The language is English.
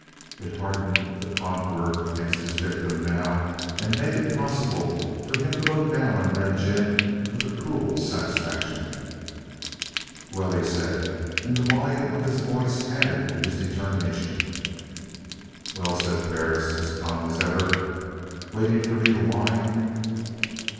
It hardened the conqueror against his victim, now, and made it possible for him to look down on Red Jim with a cruel satisfaction. "Well?" he said, and the volume of his voice added to this determination. "Well?" said Perris, as calm as ever. "Waiting for me to whine?"